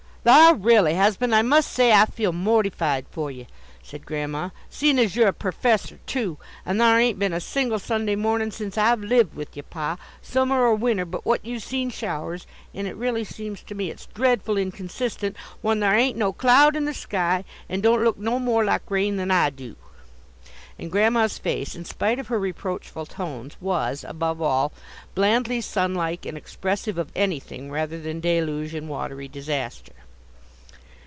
"Thar', r'aly, husband! I must say I feel mortified for ye," said Grandma. "Seein' as you're a perfessor, too, and thar' ain't been a single Sunday mornin' since I've lived with ye, pa, summer or winter, but what you've seen showers, and it r'aly seems to me it's dreadful inconsistent when thar' ain't no cloud in the sky, and don't look no more like rain than I do." And Grandma's face, in spite of her reproachful tones, was, above all, blandly sunlike and expressive of anything rather than deluge and watery disaster.